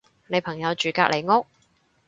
你朋友住隔離屋？